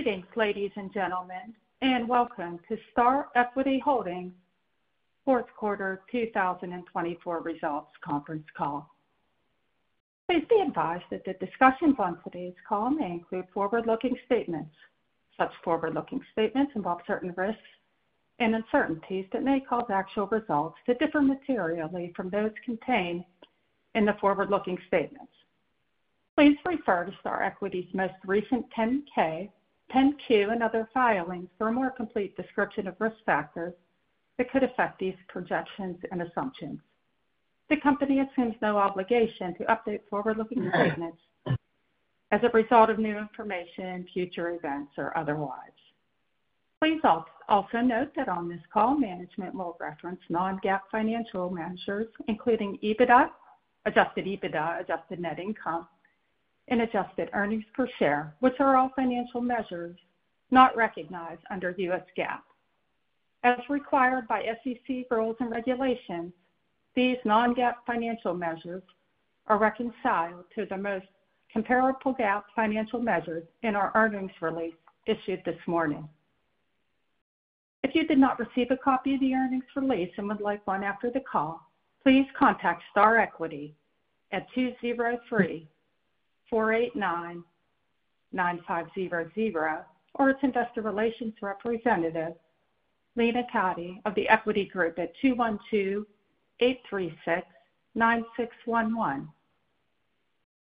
Greetings, ladies and gentlemen, and welcome to Star Equity Holdings' Fourth Quarter 2024 Results Conference Call. Please be advised that the discussions on today's call may include forward-looking statements. Such forward-looking statements involve certain risks and uncertainties that may cause actual results to differ materially from those contained in the forward-looking statements. Please refer to Star Equity's most recent 10-K, 10-Q, and other filings for a more complete description of risk factors that could affect these projections and assumptions. The company assumes no obligation to update forward-looking statements as a result of new information, future events, or otherwise. Please also note that on this call, management will reference non-GAAP financial measures, including EBITDA, adjusted EBITDA, adjusted net income, and adjusted earnings per share, which are all financial measures not recognized under U.S. GAAP. As required by SEC rules and regulations, these non-GAAP financial measures are reconciled to the most comparable GAAP financial measures in our earnings release issued this morning. If you did not receive a copy of the earnings release and would like one after the call, please contact Star Equity at 203-489-9500 or its investor relations representative, Lena Cati, of The Equity Group at 212-836-9611.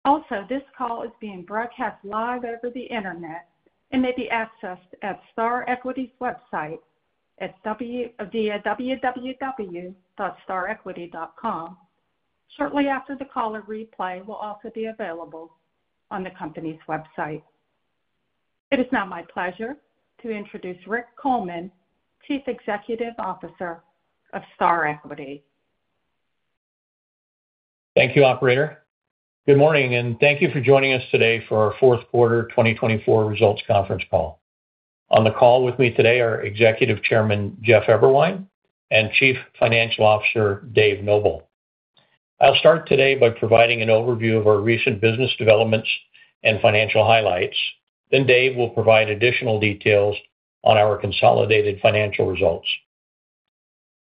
Also, this call is being broadcast live over the internet and may be accessed at Star Equity's website via www.starequity.com. Shortly after the call, a replay will also be available on the company's website. It is now my pleasure to introduce Rick Coleman, Chief Executive Officer of Star Equity. Thank you, Operator. Good morning, and thank you for joining us today for our Fourth Quarter 2024 Results Conference Call. On the call with me today are Executive Chairman Jeff Eberwein and Chief Financial Officer Dave Noble. I'll start today by providing an overview of our recent business developments and financial highlights. Dave will provide additional details on our consolidated financial results.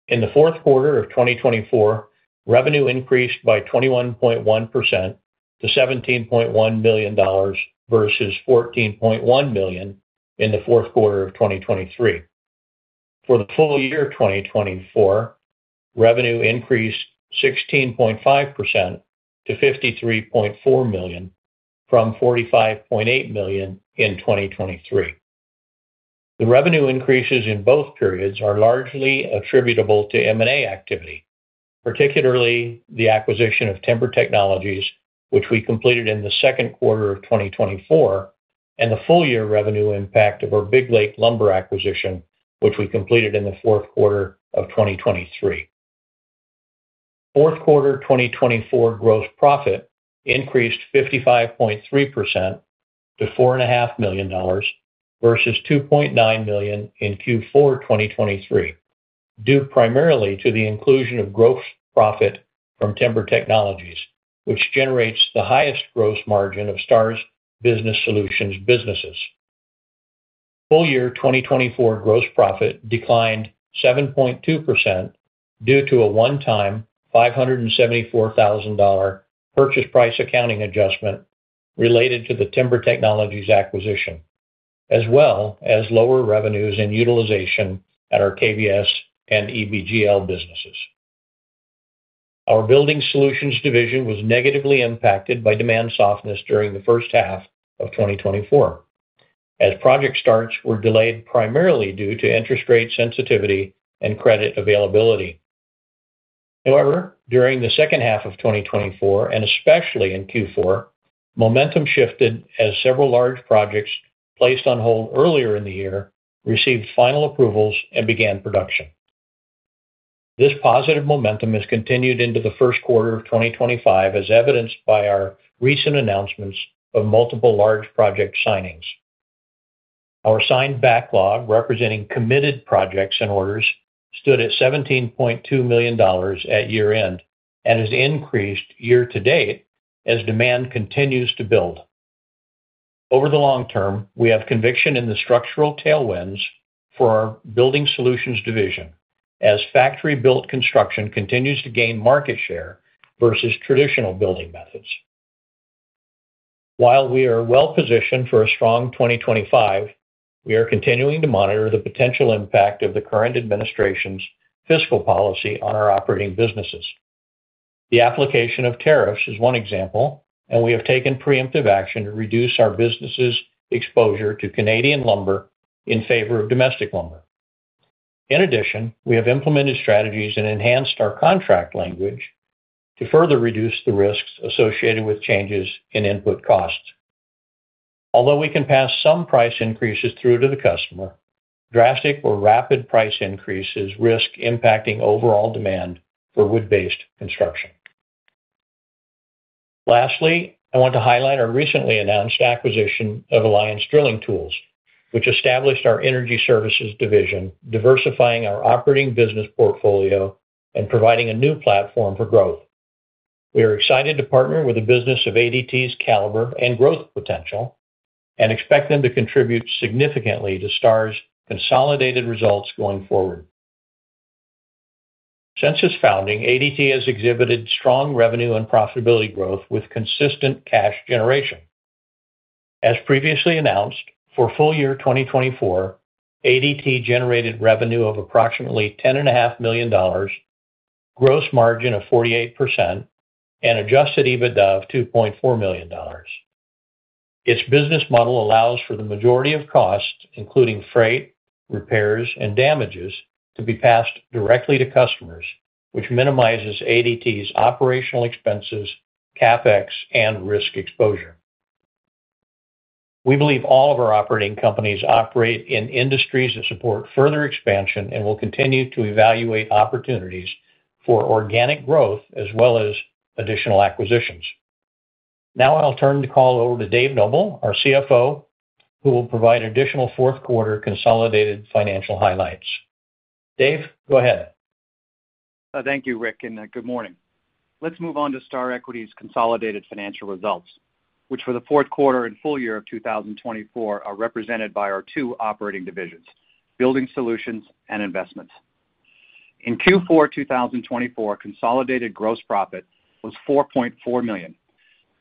In the fourth quarter of 2024, revenue increased by 21.1% to $17.1 million versus $14.1 million in the fourth quarter of 2023. For the full year 2024, revenue increased 16.5% to $53.4 million from $45.8 million in 2023. The revenue increases in both periods are largely attributable to M&A activity, particularly the acquisition of Timber Technologies, which we completed in the second quarter of 2024, and the full-year revenue impact of our Big Lake Lumber acquisition, which we completed in the fourth quarter of 2023. Fourth quarter 2024 gross profit increased 55.3% to $4.5 million versus $2.9 million in Q4 2023, due primarily to the inclusion of gross profit from Timber Technologies, which generates the highest gross margin of Star's Business Solutions businesses. Full-year 2024 gross profit declined 7.2% due to a one-time $574,000 purchase-price-accounting adjustment related to the Timber Technologies acquisition, as well as lower revenues and utilization at our KBS and EBGL businesses. Our Building Solutions division was negatively impacted by demand softness during the first half of 2024, as project starts were delayed primarily due to interest rate sensitivity and credit availability. However, during the second half of 2024, and especially in Q4, momentum shifted as several large projects placed on hold earlier in the year received final approvals and began production. This positive momentum has continued into the first quarter of 2025, as evidenced by our recent announcements of multiple large project signings. Our signed backlog representing committed projects and orders stood at $17.2 million at year-end and has increased year-to-date as demand continues to build. Over the long term, we have conviction in the structural tailwinds for our Building Solutions division, as factory-built construction continues to gain market share versus traditional building methods. While we are well-positioned for a strong 2025, we are continuing to monitor the potential impact of the current administration's fiscal policy on our operating businesses. The application of tariffs is one example, and we have taken preemptive action to reduce our businesses' exposure to Canadian lumber in favor of domestic lumber. In addition, we have implemented strategies and enhanced our contract language to further reduce the risks associated with changes in input costs. Although we can pass some price increases through to the customer, drastic or rapid price increases risk impacting overall demand for wood-based construction. Lastly, I want to highlight our recently announced acquisition of Alliance Drilling Tools, which established our Energy Services division, diversifying our operating business portfolio and providing a new platform for growth. We are excited to partner with a business of ADT's caliber and growth potential and expect them to contribute significantly to Star's consolidated results going forward. Since its founding, ADT has exhibited strong revenue and profitability growth with consistent cash generation. As previously announced, for full year 2024, ADT generated revenue of approximately $10.5 million, gross margin of 48%, and adjusted EBITDA of $2.4 million. Its business model allows for the majority of costs, including freight, repairs, and damages, to be passed directly to customers, which minimizes ADT's operational expenses, CapEx, and risk exposure. We believe all of our operating companies operate in industries that support further expansion and will continue to evaluate opportunities for organic growth as well as additional acquisitions. Now I'll turn the call over to Dave Noble, our CFO, who will provide additional fourth quarter consolidated financial highlights. Dave, go ahead. Thank you, Rick, and good morning. Let's move on to Star Equity's consolidated financial results, which for the fourth quarter and full year of 2024 are represented by our two operating divisions, Building Solutions and Investments. In Q4 2024, consolidated gross profit was $4.4 million,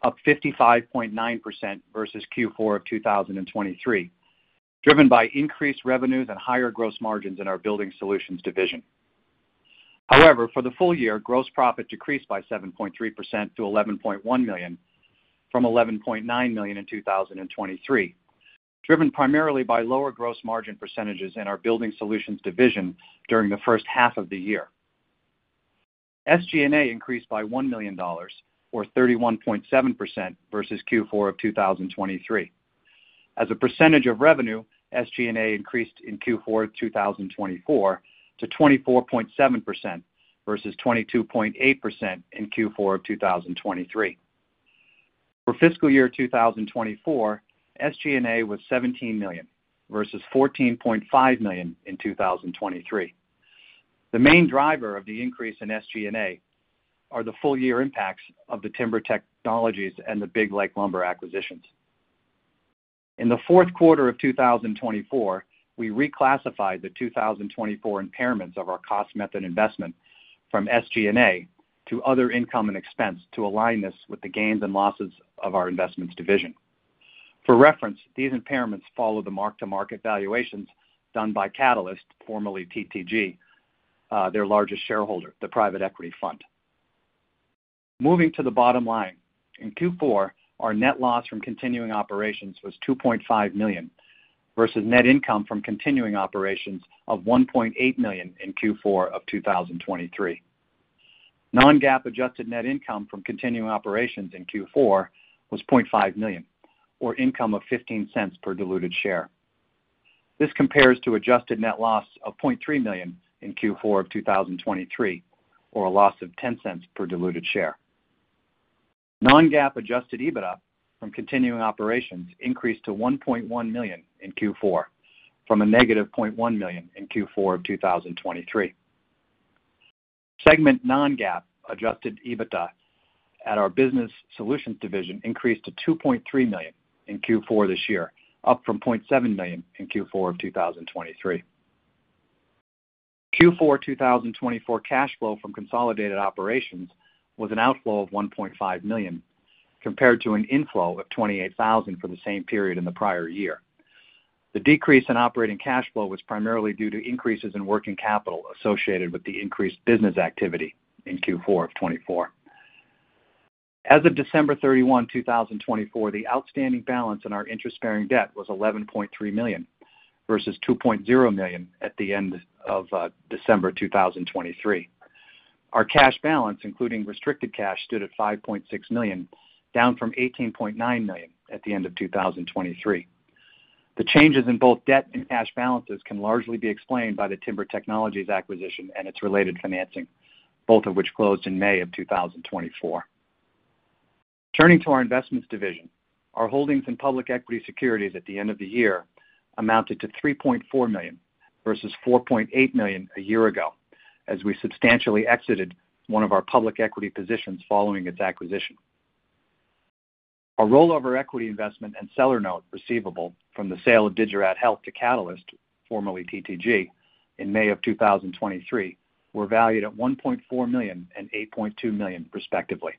up 55.9% versus Q4 of 2023, driven by increased revenues and higher gross margins in our Building Solutions division. However, for the full year, gross profit decreased by 7.3% to $11.1 million from $11.9 million in 2023, driven primarily by lower gross margin percentages in our Building Solutions division during the first half of the year. SG&A increased by $1 million, or 31.7% versus Q4 of 2023. As a percentage of revenue, SG&A increased in Q4 of 2024 to 24.7% versus 22.8% in Q4 of 2023. For fiscal year 2024, SG&A was $17 million versus $14.5 million in 2023. The main driver of the increase in SG&A are the full-year impacts of the Timber Technologies and the Big Lake Lumber acquisitions. In the fourth quarter of 2024, we reclassified the 2024 impairments of our cost-method investment from SG&A to other income and expense to align this with the gains and losses of our Investments division. For reference, these impairments follow the mark-to-market valuations done by Catalyst, formerly TTG, their largest shareholder, the private equity fund. Moving to the bottom line, in Q4, our net loss from continuing operations was $2.5 million versus net income from continuing operations of $1.8 million in Q4 of 2023. Non-GAAP adjusted net income from continuing operations in Q4 was $0.5 million, or income of $0.15 per diluted share. This compares to adjusted net loss of $0.3 million in Q4 of 2023, or a loss of $0.10 per diluted share. Non-GAAP adjusted EBITDA from continuing operations increased to $1.1 million in Q4, from -$0.1 million in Q4 of 2023. Segment non-GAAP adjusted EBITDA at our Business Solutions division increased to $2.3 million in Q4 this year, up from $0.7 million in Q4 of 2023. Q4 2024 cash flow from consolidated operations was an outflow of $1.5 million, compared to an inflow of $28,000 for the same period in the prior year. The decrease in operating cash flow was primarily due to increases in working capital associated with the increased business activity in Q4 of 2024. As of December 31, 2024, the outstanding balance in our interest-bearing debt was $11.3 million versus $2.0 million at the end of December 2023. Our cash balance, including restricted cash, stood at $5.6 million, down from $18.9 million at the end of 2023. The changes in both debt and cash balances can largely be explained by the Timber Technologies acquisition and its related financing, both of which closed in May of 2024. Turning to our Investments division, our holdings in public equity securities at the end of the year amounted to $3.4 million versus $4.8 million a year ago, as we substantially exited one of our public equity positions following its acquisition. Our rollover equity investment and seller note receivable from the sale of Digirad Health to Catalyst, formerly TTG, in May of 2023, were valued at $1.4 million and $8.2 million, respectively.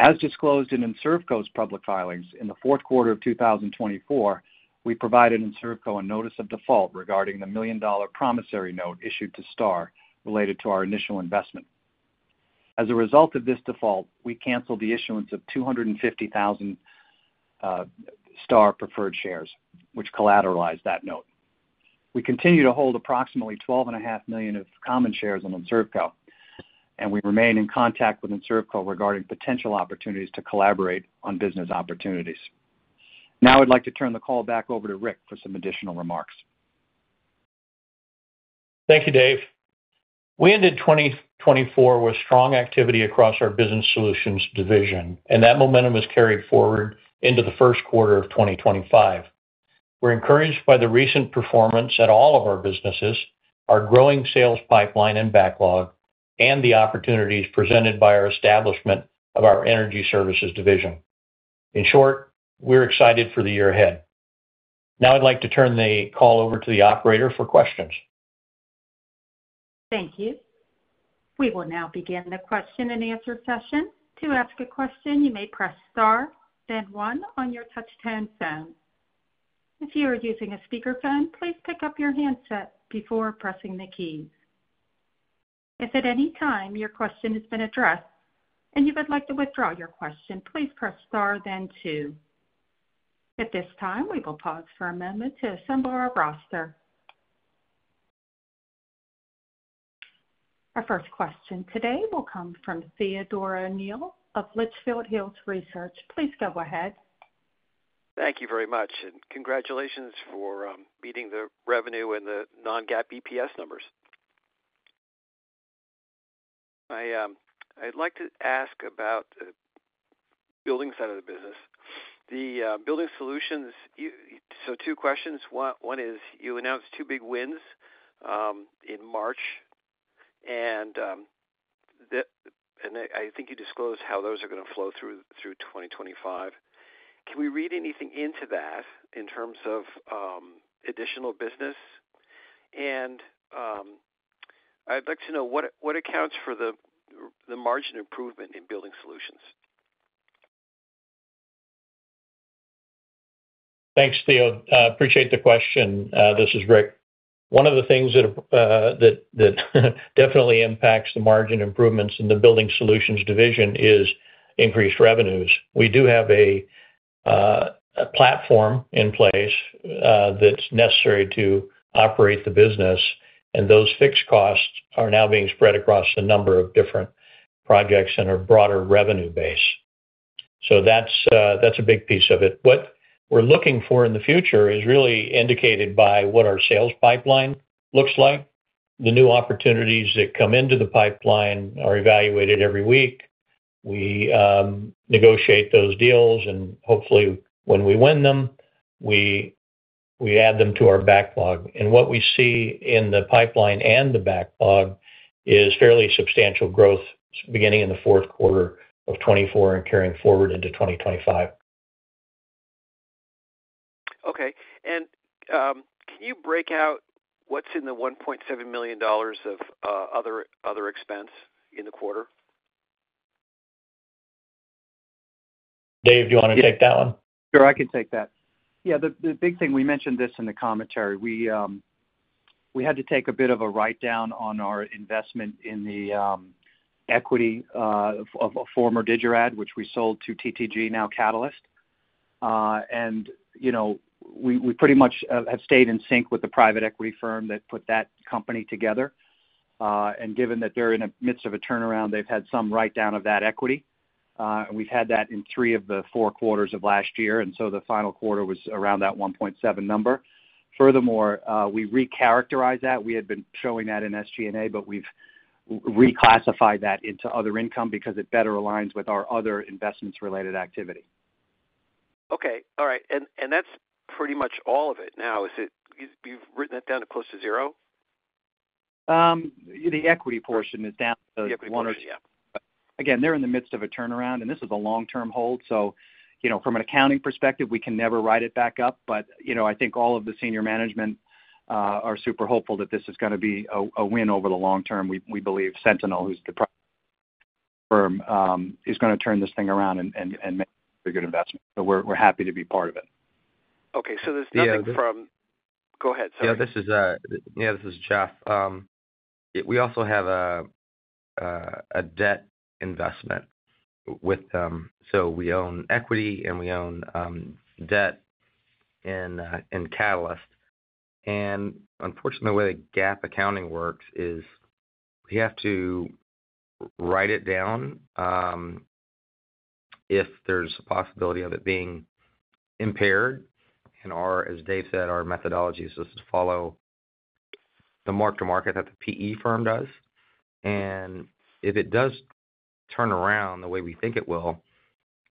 As disclosed in Enservco's public filings in the fourth quarter of 2024, we provided Enservco a notice of default regarding the $1 million promissory note issued to Star related to our initial investment. As a result of this default, we canceled the issuance of 250,000 Star preferred shares, which collateralized that note. We continue to hold approximately $12.5 million of common shares in Enservco, and we remain in contact with Enservco regarding potential opportunities to collaborate on business opportunities. Now I'd like to turn the call back over to Rick for some additional remarks. Thank you, Dave. We ended 2024 with strong activity across our Business Solutions division, and that momentum was carried forward into the first quarter of 2025. We're encouraged by the recent performance at all of our businesses, our growing sales pipeline and backlog, and the opportunities presented by our establishment of our Energy Services division. In short, we're excited for the year ahead. Now I'd like to turn the call over to the operator for questions. Thank you. We will now begin the question-and-answer session. To ask a question, you may press star, then one on your touch-tone phone. If you are using a speakerphone, please pick up your handset before pressing the keys. If at any time your question has been addressed and you would like to withdraw your question, please press star, then two. At this time, we will pause for a moment to assemble our roster. Our first question today will come from Theodore O'Neill of Litchfield Hills Research. Please go ahead. Thank you very much, and congratulations for beating the revenue and the non-GAAP EPS numbers. I'd like to ask about the building side of the business. The Building Solutions, two questions. One is you announced two big wins in March, and I think you disclosed how those are going to flow through 2025. Can we read anything into that in terms of additional business? I'd like to know what accounts for the margin improvement in Building Solutions. Thanks, Theo. Appreciate the question. This is Rick. One of the things that definitely impacts the margin improvements in the Building Solutions division is increased revenues. We do have a platform in place that's necessary to operate the business, and those fixed costs are now being spread across a number of different projects and our broader revenue base. That's a big piece of it. What we're looking for in the future is really indicated by what our sales pipeline looks like. The new opportunities that come into the pipeline are evaluated every week. We negotiate those deals, and hopefully when we win them, we add them to our backlog. What we see in the pipeline and the backlog is fairly substantial growth beginning in the fourth quarter of 2024 and carrying forward into 2025. Okay. Can you break out what's in the $1.7 million of other expense in the quarter? Dave, do you want to take that one? Sure, I can take that. Yeah, the big thing, we mentioned this in the commentary. We had to take a bit of a write-down on our investment in the equity of a former Digirad, which we sold to TTG, now Catalyst. We pretty much have stayed in sync with the private equity firm that put that company together. Given that they're in the midst of a turnaround, they've had some write-down of that equity. We've had that in three of the four quarters of last year, and the final quarter was around that $1.7 million number. Furthermore, we re-characterized that. We had been showing that in SG&A, but we've reclassified that into other income because it better aligns with our other investments-related activity. Okay. All right. That's pretty much all of it now. You've written that down to close to zero? The equity portion is down to one or two. Again, they're in the midst of a turnaround, and this is a long-term hold. From an accounting perspective, we can never write it back up. I think all of the senior management are super hopeful that this is going to be a win over the long term. We believe Sentinel, who's the private equity firm, is going to turn this thing around and make a good investment. We are happy to be part of it. Okay. There's nothing from. Yeah. Go ahead, sorry. Yeah, this is Jeff. We also have a debt investment with them. We own equity, and we own debt in Catalyst. Unfortunately, the way that GAAP accounting works is we have to write it down if there's a possibility of it being impaired. As Dave said, our methodology is just to follow the mark-to-market that the PE firm does. If it does turn around the way we think it will,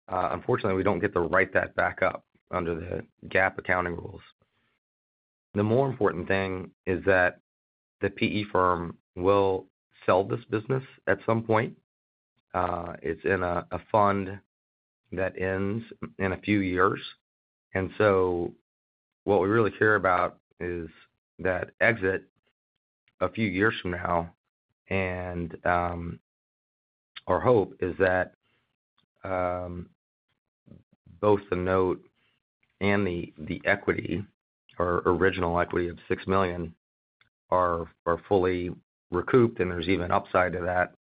unfortunately, we don't get to write that back up under the GAAP accounting rules. The more important thing is that the PE firm will sell this business at some point. It's in a fund that ends in a few years. What we really care about is that exit a few years from now. Our hope is that both the note and the equity, our original equity of $6 million, are fully recouped, and there's even upside to that.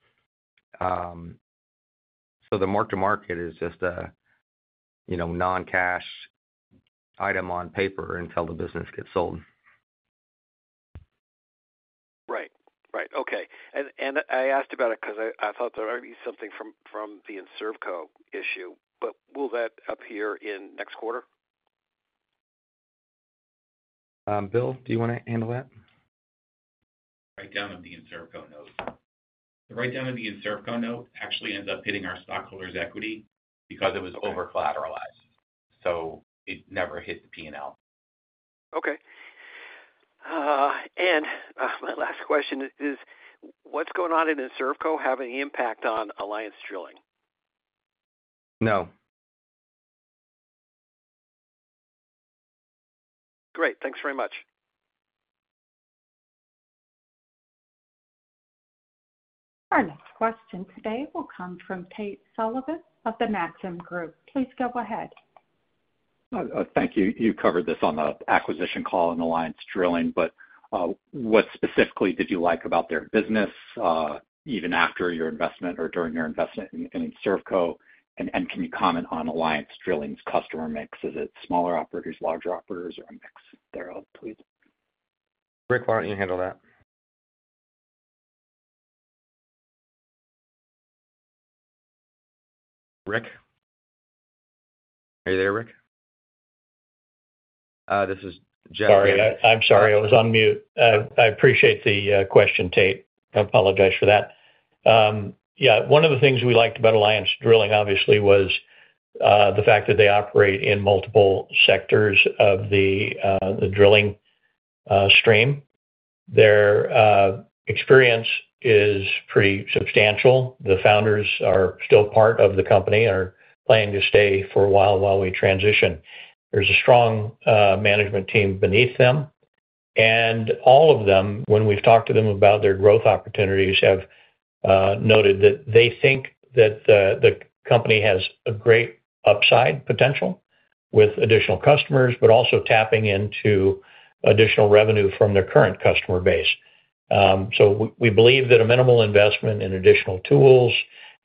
The mark-to-market is just a non-cash item on paper until the business gets sold. Right. Right. Okay. I asked about it because I thought there might be something from the Enservco issue. Will that appear in next quarter? Bill, do you want to handle that? Write-down of the Enservco note. The write-down of the Enservco note actually ends up hitting our stockholders' equity because it was over-collateralized. It never hit the P&L. Okay. My last question is, what's going on in Enservco have any impact on Alliance Drilling? No. Great. Thanks very much. Our next question today will come from Tate Sullivan of Maxim Group. Please go ahead. Thank you. You covered this on the acquisition call and Alliance Drilling, but what specifically did you like about their business, even after your investment or during your investment in Enservco? Can you comment on Alliance Drilling's customer mix? Is it smaller operators, larger operators, or a mix thereof, please? Rick, why don't you handle that? Rick? Are you there, Rick? This is Jeff. Sorry. I'm sorry. I was on mute. I appreciate the question, Tate. I apologize for that. Yeah. One of the things we liked about Alliance Drilling, obviously, was the fact that they operate in multiple sectors of the drilling stream. Their experience is pretty substantial. The founders are still part of the company and are planning to stay for a while while we transition. There is a strong management team beneath them. All of them, when we've talked to them about their growth opportunities, have noted that they think that the company has a great upside potential with additional customers, but also tapping into additional revenue from their current customer base. We believe that a minimal investment in additional tools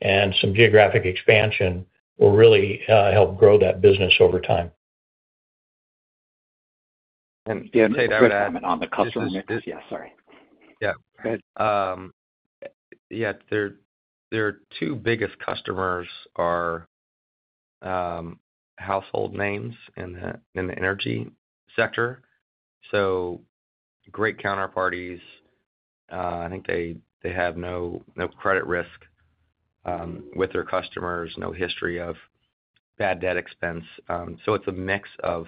and some geographic expansion will really help grow that business over time. Tate, I would add on the customer mix. Yeah, sorry. Yeah. Yeah. Their two biggest customers are household names in the energy sector. Great counterparties. I think they have no credit risk with their customers, no history of bad debt expense. It is a mix of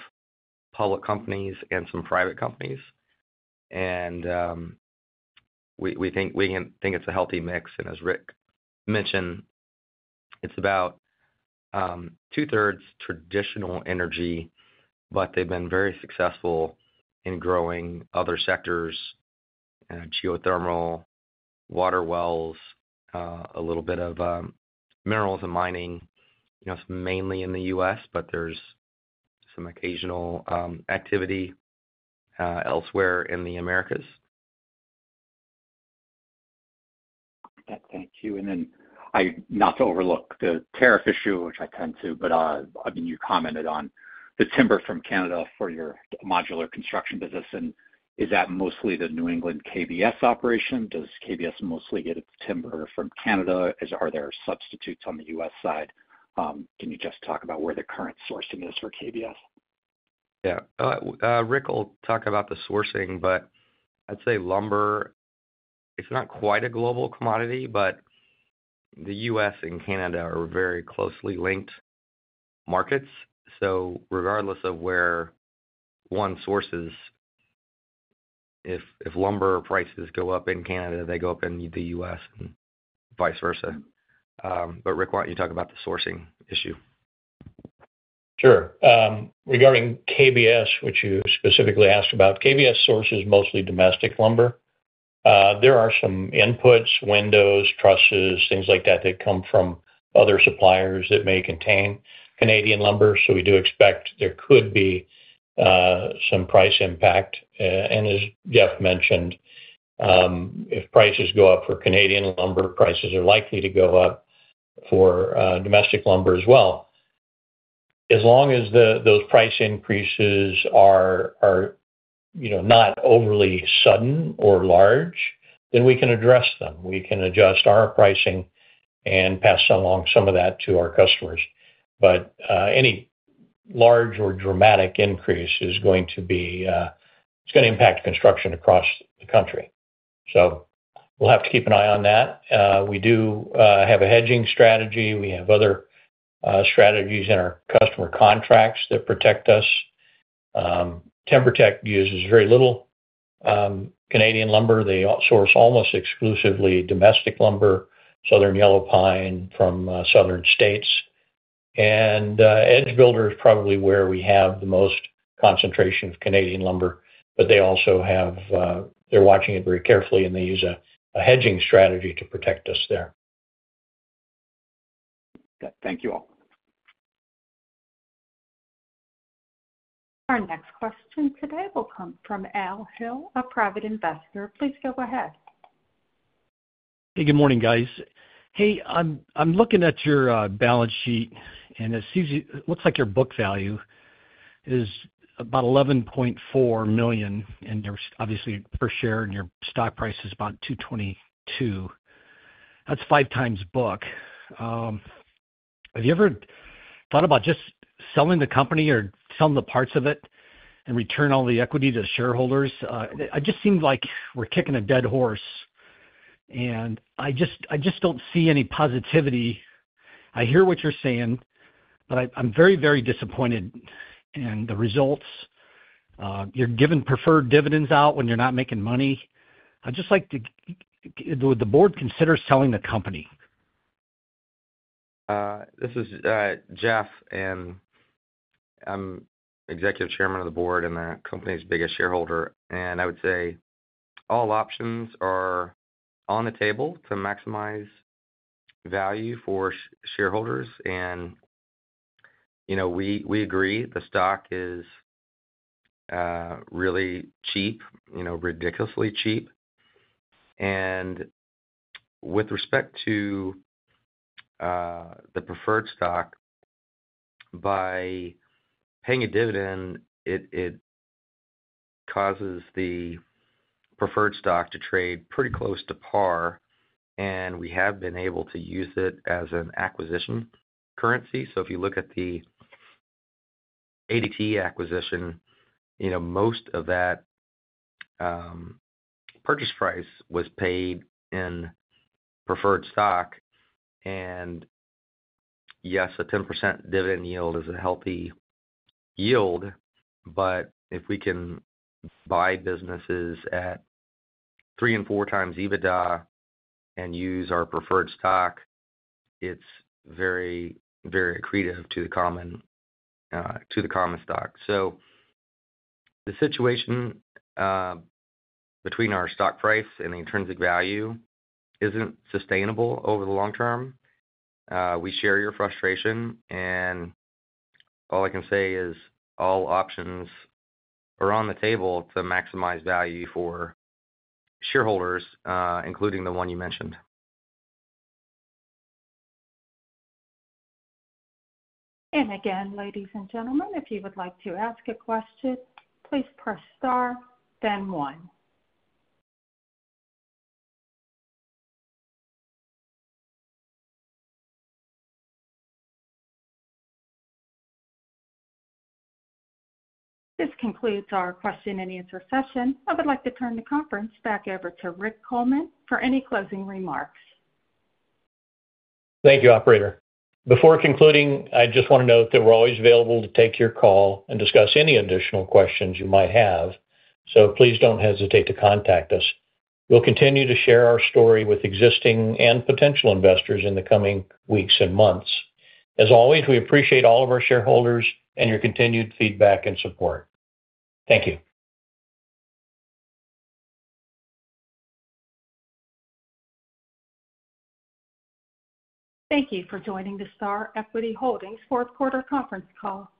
public companies and some private companies. We think it is a healthy mix. As Rick mentioned, it is about two-thirds traditional energy, but they have been very successful in growing other sectors: geothermal, water wells, a little bit of minerals and mining. It is mainly in the U.S., but there is some occasional activity elsewhere in the Americas. Thank you. Not to overlook the tariff issue, which I tend to, but I mean, you commented on the timber from Canada for your modular construction business. Is that mostly the New England KBS operation? Does KBS mostly get its timber from Canada? Are there substitutes on the U.S. side? Can you just talk about where the current sourcing is for KBS? Yeah. Rick will talk about the sourcing, but I'd say lumber, it's not quite a global commodity, but the U.S. and Canada are very closely linked markets. So regardless of where one sources, if lumber prices go up in Canada, they go up in the U.S. and vice versa. But Rick, why don't you talk about the sourcing issue? Sure. Regarding KBS, which you specifically asked about, KBS sources mostly domestic lumber. There are some inputs, windows, trusses, things like that that come from other suppliers that may contain Canadian lumber. We do expect there could be some price impact. As Jeff mentioned, if prices go up for Canadian lumber, prices are likely to go up for domestic lumber as well. As long as those price increases are not overly sudden or large, we can address them. We can adjust our pricing and pass along some of that to our customers. Any large or dramatic increase is going to impact construction across the country. We will have to keep an eye on that. We do have a hedging strategy. We have other strategies in our customer contracts that protect us. Timber Tech uses very little Canadian lumber. They source almost exclusively domestic lumber, Southern Yellow Pine from southern states. EdgeBuilder is probably where we have the most concentration of Canadian lumber, but they also have, they're watching it very carefully, and they use a hedging strategy to protect us there. Thank you all. Our next question today will come from Al Hill, a private investor. Please go ahead. Hey, good morning, guys. Hey, I'm looking at your balance sheet, and it looks like your book value is about $11.4 million, and obviously, per share, and your stock price is about $2.22. That's five times book. Have you ever thought about just selling the company or selling the parts of it and returning all the equity to shareholders? It just seems like we're kicking a dead horse, and I just don't see any positivity. I hear what you're saying, but I'm very, very disappointed in the results. You're giving preferred dividends out when you're not making money. I'd just like to know what the board considers selling the company. This is Jeff, and I'm Executive Chairman of the board and the company's biggest shareholder. I would say all options are on the table to maximize value for shareholders. We agree the stock is really cheap, ridiculously cheap. With respect to the preferred stock, by paying a dividend, it causes the preferred stock to trade pretty close to par. We have been able to use it as an acquisition currency. If you look at the ADT acquisition, most of that purchase price was paid in preferred stock. Yes, a 10% dividend yield is a healthy yield, but if we can buy businesses at three and four times EBITDA and use our preferred stock, it's very, very accretive to the common stock. The situation between our stock price and the intrinsic value isn't sustainable over the long term. We share your frustration, and all I can say is all options are on the table to maximize value for shareholders, including the one you mentioned. Again, ladies and gentlemen, if you would like to ask a question, please press star, then one. This concludes our question-and-answer session. I would like to turn the conference back over to Rick Coleman for any closing remarks. Thank you, operator. Before concluding, I just want to note that we're always available to take your call and discuss any additional questions you might have. Please do not hesitate to contact us. We'll continue to share our story with existing and potential investors in the coming weeks and months. As always, we appreciate all of our shareholders and your continued feedback and support. Thank you. Thank you for joining the Star Equity Holdings fourth-quarter conference call.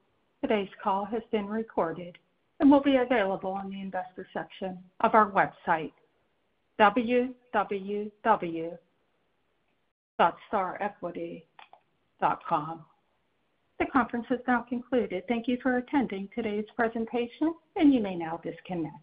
Today's call has been recorded and will be available on the investor section of our website, www.starequity.com. The conference has now concluded. Thank you for attending today's presentation, and you may now disconnect.